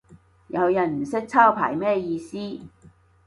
有人唔識抄牌咩意思